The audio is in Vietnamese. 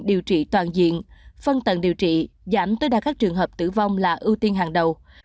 điều trị toàn diện phân tầng điều trị giảm tối đa các trường hợp tử vong là ưu tiên hàng đầu